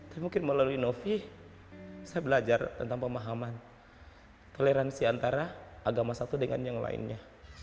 tapi mungkin melalui novi saya belajar tentang pemahaman toleransi antara agama satu dengan yang lainnya